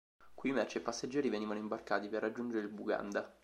Qui merci e passeggeri venivano imbarcati per raggiungere il Buganda.